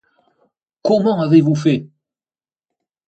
Comment avez-vous fait?